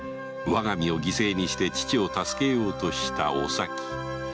我が身を犠牲にして父を助けようとしたおさき